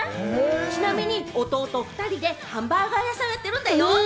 ちなみに弟２人でハンバーガー屋さんをやっているんだよ。